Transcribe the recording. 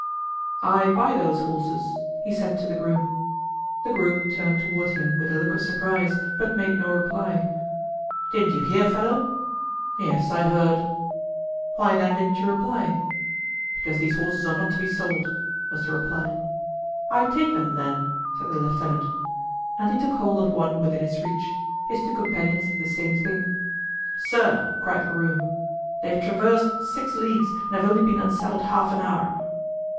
"I buy those horses," he said to the groom. The groom turned toward him with a look of surprise, but made no reply. "Didn't you hear, fellow?" "Yes, I heard." "Why, then, didn't you reply?" "Because these horses are not to be sold," was the reply. "I take them, then," said the lieutenant. And he took hold of one within his reach; his two companions did the same thing. "Sir," cried the groom, "they have traversed six leagues and have only been unsaddled half an hour."